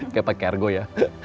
kayak pakargo ya